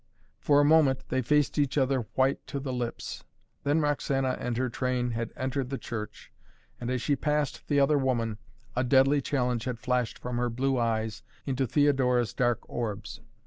For a moment they faced each other white to the lips. Then Roxana and her train had entered the church, and as she passed the other woman, a deadly challenge had flashed from her blue eyes into Theodora's dark orbs.